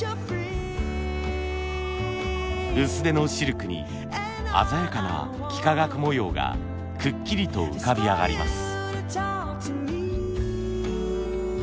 薄手のシルクに鮮やかな幾何学模様がくっきりと浮かび上がります。